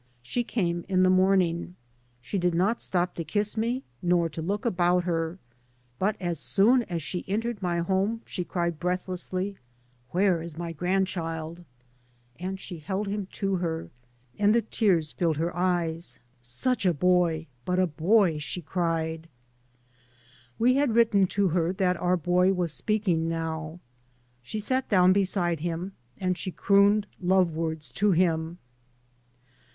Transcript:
She came tn the morning. She did not stop to kiss me, nor to look about her, but as soon as she entered my home she cried breath lessly, *' Where is my grandchild ?" And she held him to her, and the tears filled her eyes. " Such a boy 1 But a boy !" she cried. We had written to her that our boy was speaking now. She sat down beside him, and she crooned love words to him.